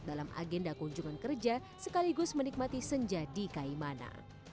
dalam agenda kunjungan kerja sekaligus menikmati senja di kaimana